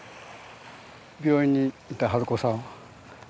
病院にいた春子さん。